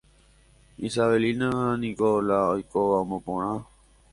Isabelínako la oikóva omoporã.